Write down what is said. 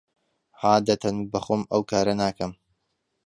عادەتەن بەخۆم ئەو کارە ناکەم.